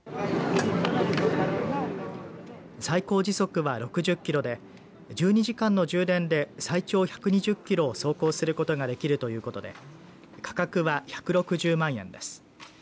最高時速は６０キロで１２時間の充電で最長１２０キロを走行することができるということで価格は１６０万円です。